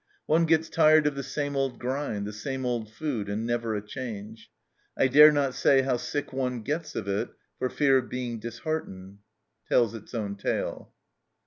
One gets tired of the same old grind, the same old food, and never a change. I dare not say how sick one gets of it for fear of being disheartened," tells its own tale.